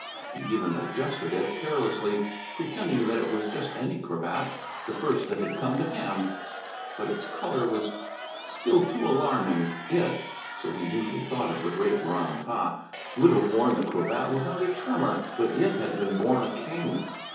He even adjusted it, carelessly pretending that it was just any cravat, the first that had come to hand. But its colour was still too alarming. It so he usually thought of the great Ram tah would have worn the cravat without a tremor, but It had been born a king.